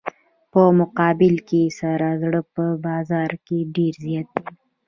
په مقابل کې سره زر په بازار کې ډیر زیات دي.